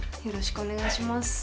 よろしくお願いします。